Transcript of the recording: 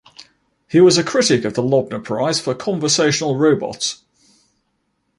He was a critic of the Loebner Prize for conversational robots.